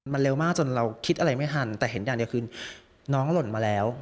มันเร็วมากจนเราคิดอะไรไม่ทันแต่เห็นอย่างเดียวคือน้องหล่นมาแล้ว